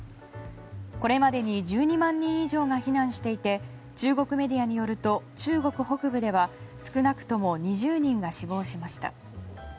これまでに１２万人以上が避難していて中国メディアによると中国北部では少なくとも２０人が死亡しました。